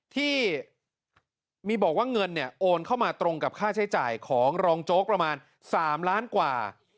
ที่มีบอกว่าเงินเนี่ยโอนเข้ามาตรงกับค่าใช้จ่ายของรองโจ๊กประมาณ๓ล้านกว่า